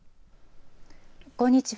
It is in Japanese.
こんにちは。